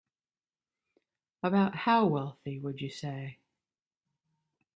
About how wealthy would you say?